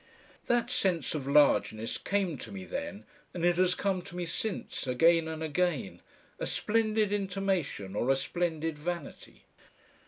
That sense of largeness came to me then, and it has come to me since, again and again, a splendid intimation or a splendid vanity.